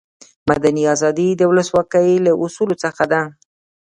مدني آزادي د ولسواکي له اصولو څخه ده.